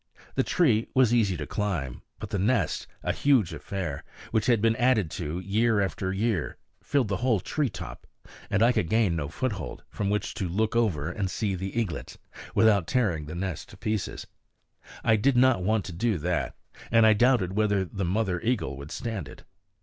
The tree was easy to climb, but the nest a huge affair, which had been added to year after year filled the whole tree top, and I could gain no foothold, from which to look over and see the eaglets, without tearing the nest to pieces. I did not want to do that, and I doubted whether the mother eagle would stand it.